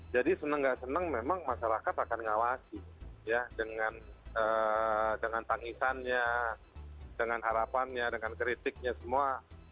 jadi seneng nggak seneng memang masyarakat akan ngawasi ya dengan tangisannya dengan harapannya dengan kritiknya semua